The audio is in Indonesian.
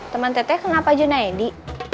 teman teteh kenal pak junaidy